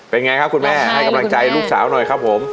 เป็นไงครับคุณแม่ให้กำลังใจลูกสาวหน่อยครับผม